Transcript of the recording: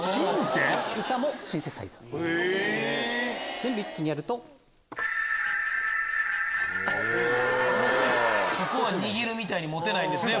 全部一気にやると。そこは握るみたいに持てないんですね。